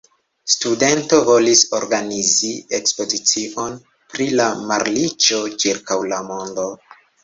Studento volis organizi ekspozicion pri la malriĉo ĉirkaŭ la mondo.